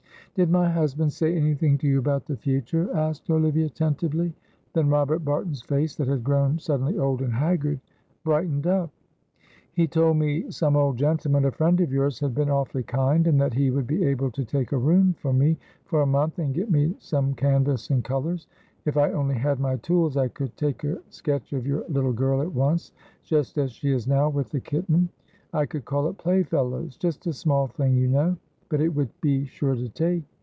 "Did my husband say anything to you about the future?" asked Olivia, tentatively; then Robert Barton's face, that had grown suddenly old and haggard, brightened up. "He told me some old gentleman, a friend of yours, had been awfully kind, and that he would be able to take a room for me for a month, and get me some canvas and colours. If I only had my tools, I could take a sketch of your little girl at once, just as she is now with the kitten. I could call it 'Play fellows,' just a small thing, you know, but it would be sure to take.